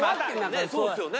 ねえそうですよね。